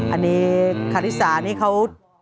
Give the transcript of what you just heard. อันนี้คาริสานี่เขา